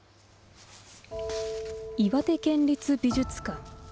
岩手県立美術館。